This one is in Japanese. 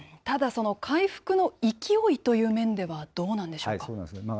ただその回復の勢いという面では、どうなんでしょうか。